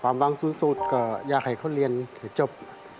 ความหวังสูตรก็อยากให้เขาเรียนจะจบ